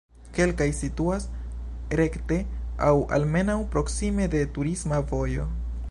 Kelkaj situas rekte aŭ almenaŭ proksime de turisma vojo.